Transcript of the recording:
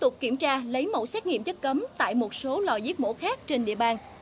tục kiểm tra lấy mẫu xét nghiệm chất cấm tại một số lò giết mổ khác trên địa bàn